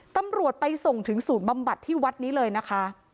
ตำรวจไปส่งถึงศูนย์บำบัดที่วัดนี้เลยนะคะ